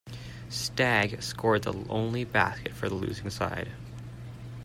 Stagg scored the only basket for the losing side.